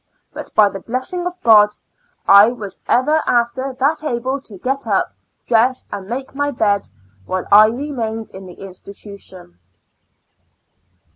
But by the blessing of God, I was ever after that able to get up, dress and make my bed, while I remained in the institution.